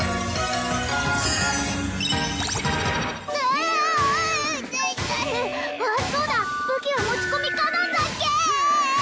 あっそうだ武器は持ち込み可なんだっけ！